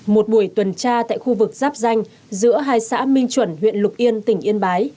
một buổi tuần tra tại khu vực giáp danh giữa hai xã minh chuẩn huyện lục yên tỉnh yên bái